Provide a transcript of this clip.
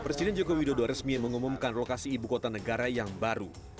presiden joko widodo resmi mengumumkan lokasi ibu kota negara yang baru